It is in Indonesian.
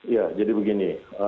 ya jadi begini